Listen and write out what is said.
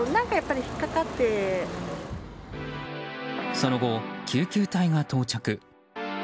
その後、救急隊が到着。